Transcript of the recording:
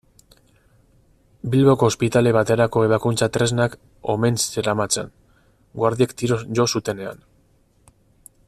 Bilboko ospitale baterako ebakuntza-tresnak omen zeramatzan, guardiek tiroz jo zutenean.